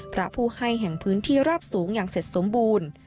พระผู้ให้แห่งพื้นที่ราบสูงอย่างเสร็จสมบูรณ์